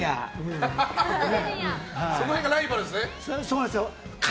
その辺がライバルですね。